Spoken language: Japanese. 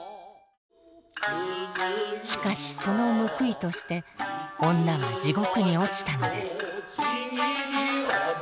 しかしその報いとして女は地獄に落ちたのです。